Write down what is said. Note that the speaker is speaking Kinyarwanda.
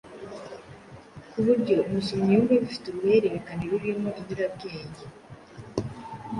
ku buryo umusomyi yumva bifite uruhererekane rurimo inyurabwenge.